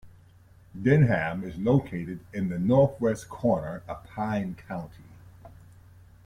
Denham is located in the northwest corner of Pine County.